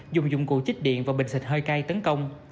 dùng dụng cụ chích điện và bình xịt hơi cay tấn công